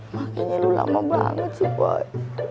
mak ini lu lama banget sih boy